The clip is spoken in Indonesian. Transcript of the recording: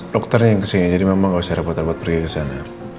dokternya yang kesini jadi mama gak usah repot repot pergi kesana